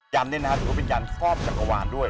ยานนี้นะครับถือว่าเป็นยานครอบจังหวานด้วย